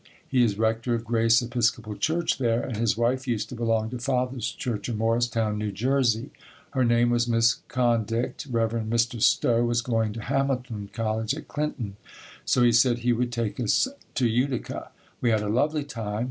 He is rector of Grace Episcopal church there and his wife used to belong to Father's church in Morristown, N. J. Her name was Miss Condict. Rev. Mr. Stowe was going to Hamilton College at Clinton, so he said he would take us to Utica. We had a lovely time.